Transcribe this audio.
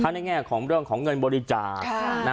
ในแง่ของเรื่องของเงินบริจาค